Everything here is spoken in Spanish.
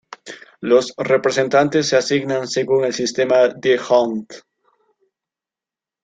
Los representantes se asignan según el sistema d'Hondt.